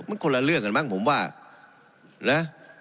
มันคนละเรื่องกันมั้งผมว่านะ